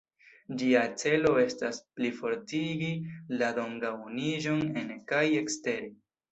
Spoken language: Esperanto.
Ĝia celo estas plifortigi la dogan-unuiĝon ene kaj ekstere.